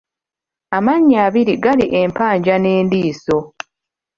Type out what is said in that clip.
Amannya abiri gali empajja n'endiiso.